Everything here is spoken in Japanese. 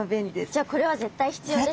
じゃあこれは絶対必要ですね。